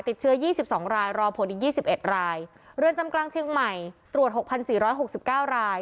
ติดเชื้อ๒๒รายรอผลอีก๒๑รายเรือนจำกลางเชียงใหม่ตรวจ๖๔๖๙ราย